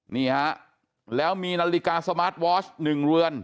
นี่ฮะแล้วมีนาฬิกาสมาร์ทวอช๑เรือน